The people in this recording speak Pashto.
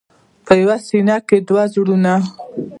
په یوه سینه کې دوه زړونه.